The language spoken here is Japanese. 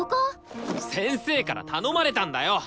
先生から頼まれたんだよ！